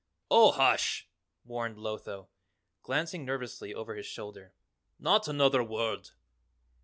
"Oh, hush!" warned Lotho, glancing nervously over his shoulder. "Not another word!"